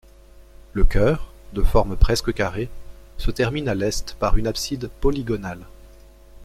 Le chœur, de forme presque carrée, se termine à l'est par une abside polygonale.